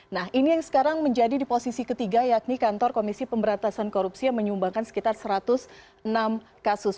nah ini yang sekarang menjadi di posisi ketiga yakni kantor komisi pemberantasan korupsi yang menyumbangkan sekitar satu ratus enam kasus